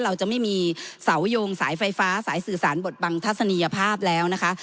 เราจะไม่มีเสาโยงสายไฟฟ้าสายสื่อสารบทบังทัศนียภาพแล้วนะคะ